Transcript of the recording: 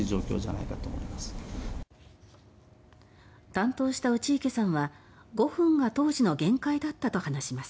担当した内池さんは５分が当時の限界だったと話します。